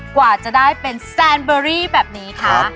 กว่าจะได้เป็นแซนเบอรี่แบบนี้คะ